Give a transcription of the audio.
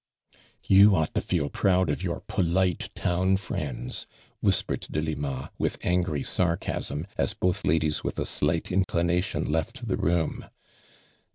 " You ought to feel proud of your polite town friends I" whispered Delima, with angry sarcasm, as both ladies with a slight inclination left the room.